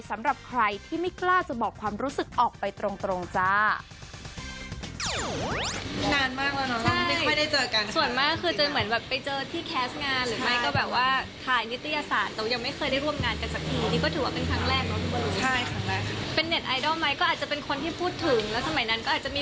สำหรับใครที่ไม่กล้าจะบอกความรู้สึกออกไปตรงจ้า